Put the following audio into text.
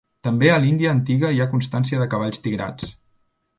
També a l'Índia antiga hi ha constància de cavalls tigrats.